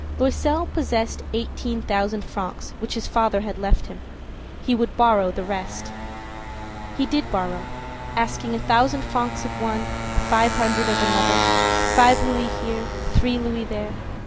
Loisel possessed eighteen thousand francs which his father had left him. He would borrow the rest. He did borrow, asking a thousand francs of one, five hundred of another, five louis here, three louis there.